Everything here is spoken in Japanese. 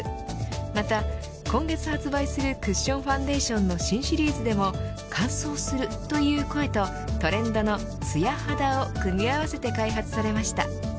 また、今月発売するクッションファンデーションの新シリーズでも乾燥するという声とトレンドのツヤ肌を組み合わせて開発されました。